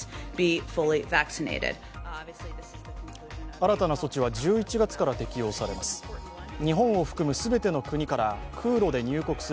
新たな措置は１１月から適用されます。